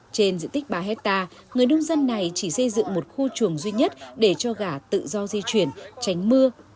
trên diện tích ba hectare người nông dân này chỉ xây dựng một khu chuồng duy nhất để cho gà tự do di chuyển tránh mưa